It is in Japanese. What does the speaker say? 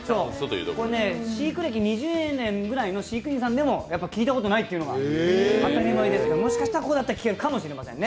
飼育歴２０年ぐらいの飼育員さんでも聞いたことないというのが当たり前で、もしかしたらここだったら聞けるかもしれませんね。